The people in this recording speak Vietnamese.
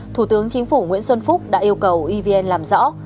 thủ tướng chính phủ nguyễn xuân phúc đã yêu cầu evn làm rõ